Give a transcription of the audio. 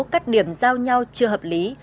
các điểm giao nhau chưa hợp lý